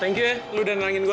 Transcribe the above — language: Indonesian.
thank you lu udah nenangin gua